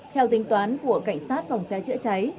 theo tính toán của cảnh sát phòng cháy chữa cháy